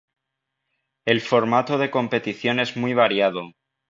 El formato de competición es muy variado.